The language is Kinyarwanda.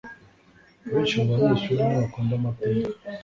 Benshi mubanyeshuri ntibakunda amateka.